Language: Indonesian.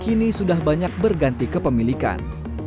kini sudah banyak berganti kepemilikan